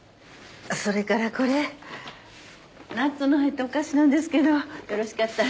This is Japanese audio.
それからこれナッツの入ったお菓子なんですけどよろしかったら。